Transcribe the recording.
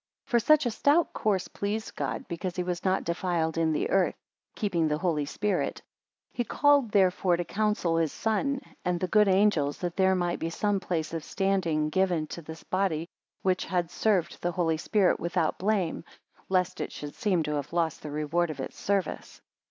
56 For such a stout course pleased God, because he was not defiled in the earth, keeping the Holy Spirit. He called therefore to counsel his Son, and the good angels, that there might be some place of standing given to this body which had served the Holy Spirit without blame; lest it should seem to have lost the reward of its service.